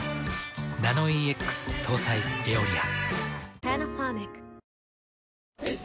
ナノイーＸ搭載「エオリア」。